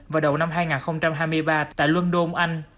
vào đầu năm hai nghìn hai mươi ba tại london anh